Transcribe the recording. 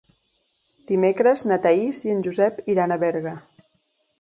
Dimecres na Thaís i en Josep iran a Berga.